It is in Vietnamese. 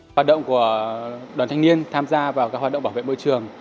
hoạt động của đoàn thanh niên tham gia vào các hoạt động bảo vệ môi trường